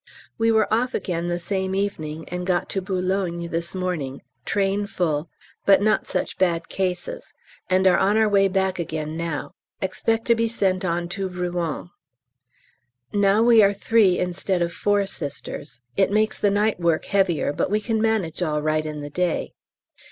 We were off again the same evening, and got to B. this morning, train full, but not such bad cases, and are on our way back again now: expect to be sent on to Rouen. Now we are three instead of four Sisters, it makes the night work heavier, but we can manage all right in the day.